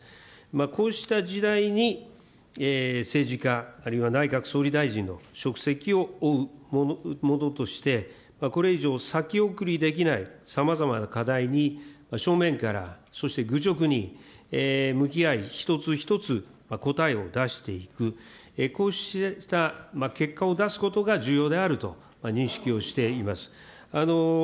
こうした時代に政治家、あるいは内閣総理大臣の職責を負うものとして、これ以上先送りできないさまざまな課題に正面から、そして愚直に向き合い、一つ一つ答えを出していく、こうした結果を出すことが重要であると認識をしています。